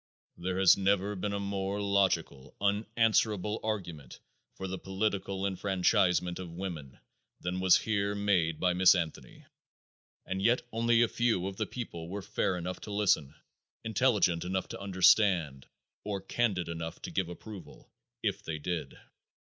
There has never been a more logical unanswerable argument for the political enfranchisement of women than was here made by Miss Anthony. And yet only a very few of the people were fair enough to listen, intelligent enough to understand, or candid enough to give approval, if they did.